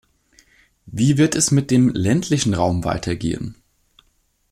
Wie wird es mit dem ländlichen Raum weitergehen?